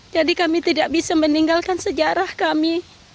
jadi kami tidak bisa meninggalkan sejarah kami